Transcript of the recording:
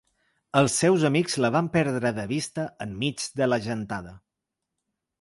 Els seus seus amics la van perdre de vista enmig de la gentada.